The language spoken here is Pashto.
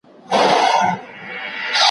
زه به سبا د ژبي تمرين کوم!.